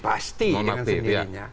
pasti dengan sendirinya